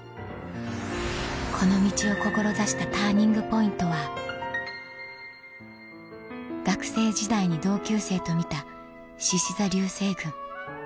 この道を志したＴＵＲＮＩＮＧＰＯＩＮＴは学生時代に同級生と見たしし座流星群